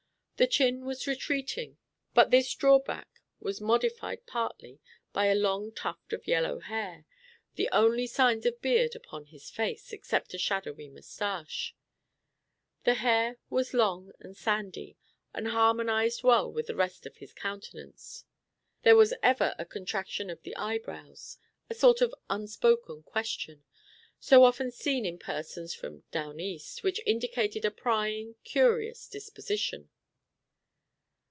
The chin was retreating; but this drawback was modified partly by a long tuft of yellow hair, the only signs of beard upon his face, except a shadowy mustache. The hair was long and sandy, and harmonized well with the rest of his countenance. There was ever a contraction of the eyebrows a sort of unspoken question so often seen in persons from "down east," which indicated a prying, curious disposition.